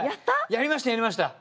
やりましたやりました。